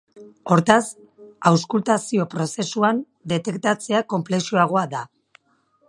Hortaz, auskultazio-prozesuan detektatzea konplexuagoa da.